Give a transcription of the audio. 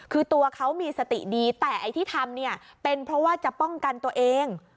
คือตัวเขามีสติดีแต่ไอ้ที่ทำเนี่ยเป็นเพราะว่าจะป้องกันตัวเอง